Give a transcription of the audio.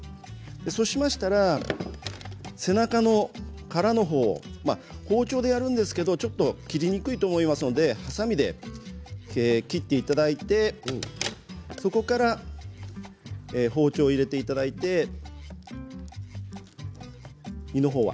そうしましたら背中の殻のほう包丁でやるんですけどちょっと切りにくいと思いますので、はさみで切っていただいてそこから包丁を入れていただいて身のほうは。